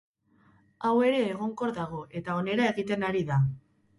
Hau ere egonkor dago eta onera egiten ari da.